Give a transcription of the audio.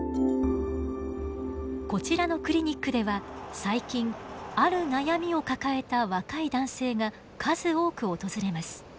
こちらのクリニックでは最近ある悩みを抱えた若い男性が数多く訪れます。